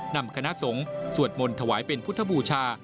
นำคณะสงฆ์สวดมนต์ถวายเป็นพุทธบูชา